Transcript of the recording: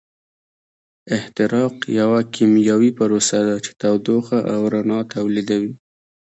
احتراق یوه کیمیاوي پروسه ده چې تودوخه او رڼا تولیدوي.